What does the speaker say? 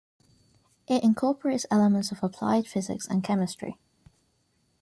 It incorporates elements of applied physics and chemistry.